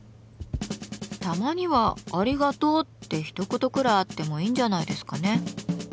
たまには「ありがとう」ってひと言くらいあってもいいんじゃないですかね。